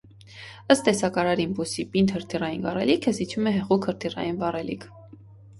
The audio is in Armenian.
Ըստ տեսակարար իմպուլսի պինդ հրթիռային վառելիքը զիջում է հեղուկ հրթիռային վառելիք։